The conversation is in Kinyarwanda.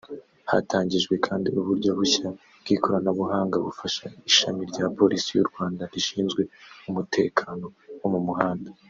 Hatangijwe kandi uburyo bushya bw’ikoranabuhanga bufasha Ishami rya Polisi y’u Rwanda rishinzwe umutekano wo mu muhanda